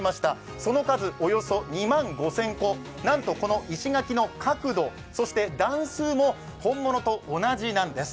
その数およそ２万５０００個なんと石垣の角度そして、段数も本物と同じなんです。